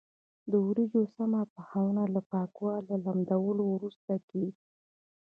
د وریجو سمه پخونه له پاکولو او لمدولو وروسته کېږي.